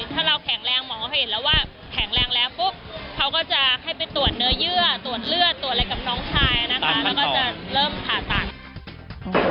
ถ้าเราแข็งแรงหมอเขาเห็นแล้วว่าแข็งแรงแล้วปุ๊บเขาก็จะให้ไปตรวจเนื้อเยื่อตรวจเลือดตรวจอะไรกับน้องชายนะคะแล้วก็จะเริ่มผ่าตัด